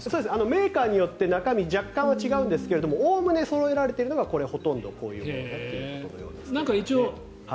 メーカーによって中身、若干は違うんですがおおむね、そろえられているのがほとんどこういうものだということのようですね。